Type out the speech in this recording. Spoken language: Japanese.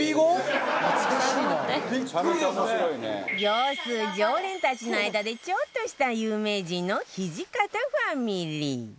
業スー常連たちの間でちょっとした有名人の土方ファミリー